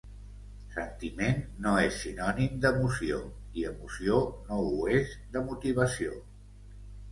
Sentiment no és sinònim d'emoció i emoció no ho és de motivació.